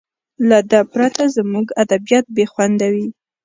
له ده پرته زموږ ادبیات بې خونده وي.